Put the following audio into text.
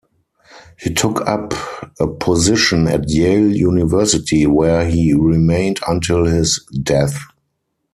He took up a position at Yale University, where he remained until his death.